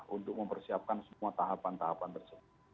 untuk mempersiapkan semua tahapan tahapan tersebut